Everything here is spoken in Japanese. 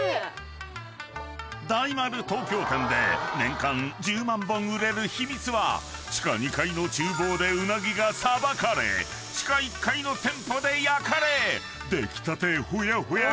［大丸東京店で年間１０万本売れる秘密は地下２階の厨房でうなぎがさばかれ地下１階の店舗で焼かれ出来たてほやほやが買えるから］